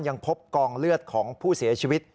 ยังพบกองเลือดของผู้เสียชีวิต